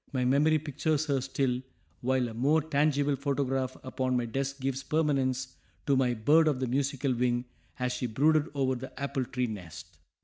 My memory pictures her still, while a more tangible photograph upon my desk gives permanence to my "bird of the musical wing" as she brooded over the apple tree nest.